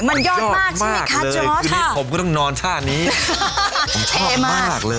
มันยอดมากใช่ไหมคะเจอคืนนี้ผมก็ต้องนอนท่านี้ชอบมากเลย